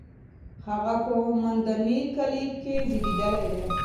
هغه په مندني کلي کې زېږېدلې ده.